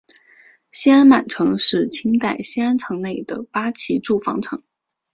西安满城是清代西安城内的八旗驻防城。